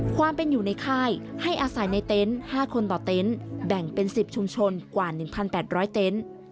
ความเป็นอยู่ในค่ายให้อาศัยในเต็นต์๕คนต่อเต็นต์แบ่งเป็น๑๐ชุมชนกว่า๑๘๐๐เต็นต์